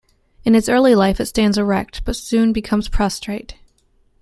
In its early life it stands erect, but soon becomes prostrate.